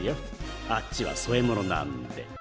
あっちは添え物なんで。